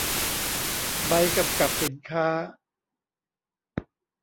ใบกำกับสินค้า